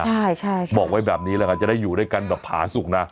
ใช่ใช่บอกไว้แบบนี้แล้วกันจะได้อยู่ด้วยกันแบบผาสุขนะ